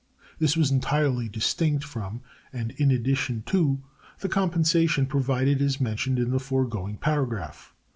This was entirely distinct from and in addition to the compensation provided as mentioned in the foregoing paragraph.